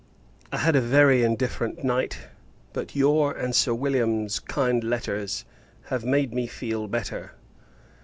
I had a very indifferent night, but your and Sir William's kind letters have made me feel better.